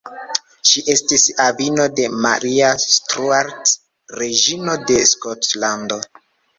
Ŝi estis avino de Maria Stuart, reĝino de Skotlando.